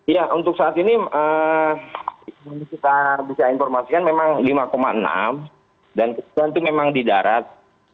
ya untuk saat ini kita bisa informasikan memang lima enam dan kebetulan itu memang di darat